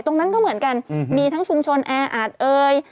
ตรงนั้นก็เหมือนกันมีทั้งชุมชนแออาจเอ่ย